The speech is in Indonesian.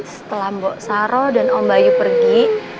setelah mbok saro dan om bayu pergi